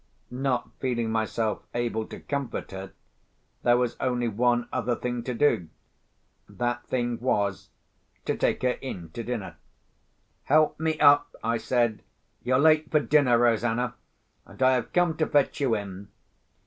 Not feeling myself able to comfort her, there was only one other thing to do. That thing was—to take her in to dinner. "Help me up," I said. "You're late for dinner, Rosanna—and I have come to fetch you in."